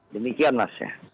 demikian mas ya